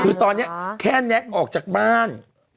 คือตอนนี้แค่แน็กออกจากบ้าน